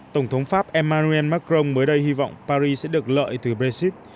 tổng thống pháp emmanuel macron mới đây hy vọng paris sẽ được lợi từ brexit